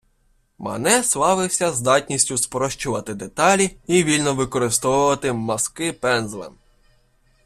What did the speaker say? Мане славився здатністю спрощувати деталі і вільно використовувати мазки пензлем.